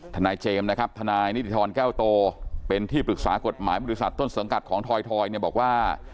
ทนายเจมส์นะครับทนายนิติธรแก้วโตเป็นที่ปรึกษากฎหมายบริษัทต้นสังกัดของทอยเนี่ยบอกว่า